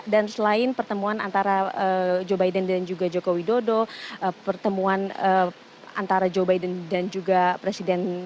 dan selain pertemuan antara joe biden dan juga jokowi dodo pertemuan antara joe biden dan juga presiden